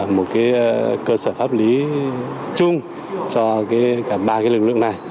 một cái cơ sở pháp lý chung cho cả ba cái lực lượng này